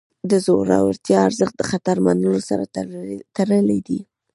د زړورتیا ارزښت د خطر منلو سره تړلی دی.